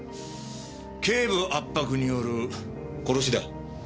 頸部圧迫による殺しだ。